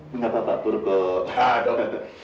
mengapa pak purwok